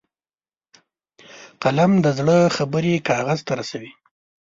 قلم د زړه خبرې کاغذ ته رسوي